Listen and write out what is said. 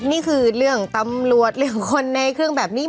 นี่คือเรื่องตำรวจเรื่องคนในเครื่องแบบนี้